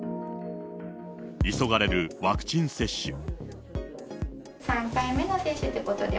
急がれるワクチン接種。